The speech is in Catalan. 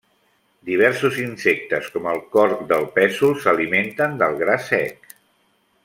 Diversos insectes com el corc del pèsol s'alimenten del gra sec.